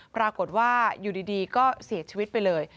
ปรากฏว่าอยู่ดีก็เสียชีวิตไปเลย